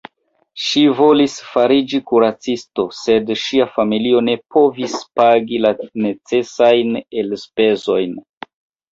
Ŝi volis fariĝi kuracisto, sed ŝia familio ne povis pagi la necesajn elspezojn.